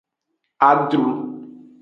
Adru.